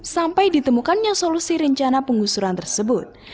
sampai ditemukannya solusi rencana penggusuran tersebut